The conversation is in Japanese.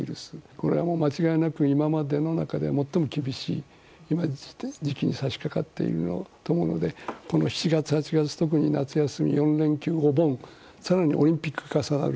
これはもう間違いなく、今までの中で最も厳しい時期にさしかかっていると思うので、この７月、８月、特に夏休み、４連休、お盆、さらにオリンピック重なる。